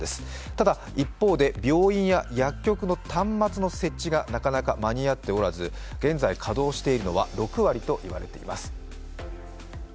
ただ、一方で病院や薬局の端末の設置がなかなか間に合っておらず現在、稼働しているのは６割といわれています。